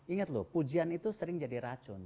ingat loh pujian itu sering jadi racun